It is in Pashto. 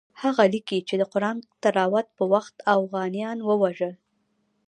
هغه لیکي چې د قرآن تلاوت په وخت اوغانیان ووژل.